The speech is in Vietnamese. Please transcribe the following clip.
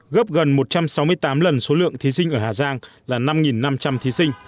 gấp gần một trăm sáu mươi tám lần số lượng thí sinh ở hà giang là năm năm trăm linh thí sinh